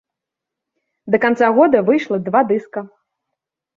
Да канца года выйшла два дыска.